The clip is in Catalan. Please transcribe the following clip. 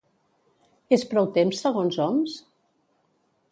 És prou temps, segons Homs?